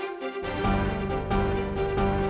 aduh makasih ndre